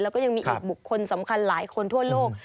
แล้วก็ยังมีอีกบุคคลสำคัญหลายคนทั่วโลก